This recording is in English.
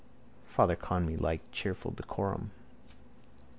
Father Conmee liked cheerful decorum.